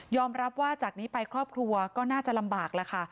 รับว่าจากนี้ไปครอบครัวก็น่าจะลำบากแล้วค่ะ